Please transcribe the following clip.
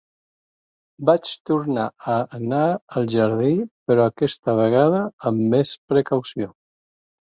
Vaig tornar a anar al jardí, però aquesta vegada amb més precaució.